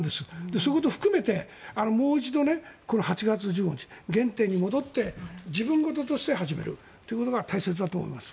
そういうことを含めてもう一度８月１５日原点に戻って自分事として始めるのが大切だと思います。